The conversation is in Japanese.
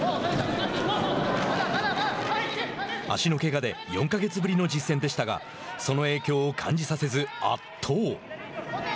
足のけがで４か月ぶりの実戦でしたがその影響を感じさせず圧倒。